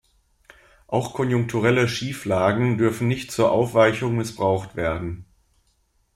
Auch konjunkturelle Schieflagen dürfen nicht zur Aufweichung missbraucht werden.